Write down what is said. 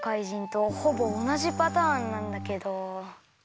じんとほぼおなじパターンなんだけど。